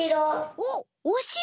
おっおしろ？